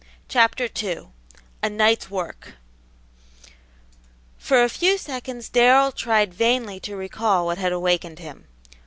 Chapter II A NIGHT'S WORK For a few seconds Darrell tried vainly to recall what had awakened him.